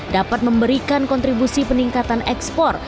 dapat memberikan kontribusi peningkatan ekspor